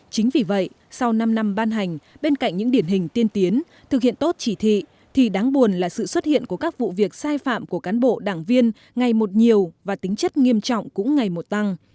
chính vì vậy sau năm năm ban hành bên cạnh những điển hình tiên tiến thực hiện tốt chỉ thị thì đáng buồn là sự xuất hiện của các vụ việc sai phạm của cán bộ đảng viên ngày một nhiều và tính chất nghiêm trọng cũng ngày một tăng